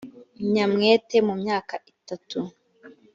nyamwete mu myaka itatu